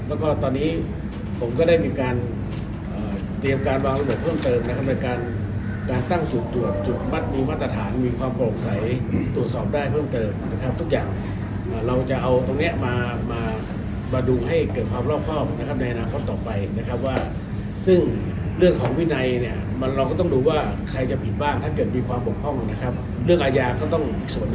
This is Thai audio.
แล้วก็ตอนนี้ผมก็ได้มีการเตรียมการวางระเบิดเพิ่มเติมนะครับในการการตั้งจุดตรวจจุดมัดมีมาตรฐานมีความโปร่งใสตรวจสอบได้เพิ่มเติมนะครับทุกอย่างเราจะเอาตรงเนี้ยมามามาดูให้เกิดความรอบครอบนะครับในอนาคตต่อไปนะครับว่าซึ่งเรื่องของวินัยเนี่ยมันเราก็ต้องดูว่าใครจะผิดบ้างถ้าเกิดมีความบกพร่องนะครับเรื่องอาญาก็ต้องสว